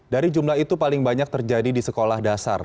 dari jumlah itu paling banyak terjadi di sekolah dasar